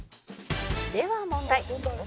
「では問題」